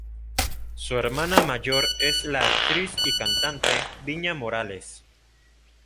Su hermana mayor es la actriz y cantante Viña Morales.